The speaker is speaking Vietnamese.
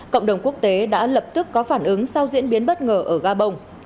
cộng đồng quốc tế đã lập tức có phản ứng sau diễn biến bất ngờ ở gabon